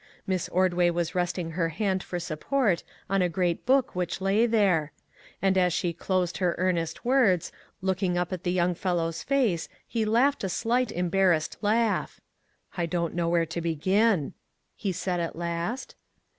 Miss Ordway was resting her hand for support on a great book which lay there ; as she closed her earnest words, looking up at the young fellow's face, he laughed a slight, embarrassed laugh. " I don't know where to begin," he said at last.